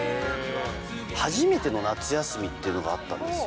初めての夏休みっていうのがあったんですよ。